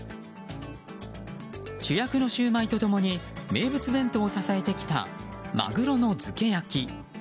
主役のシュウマイとともに名物弁当を支えてきたマグロの漬け焼。